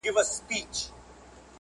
او یا خبر دي نه یې مني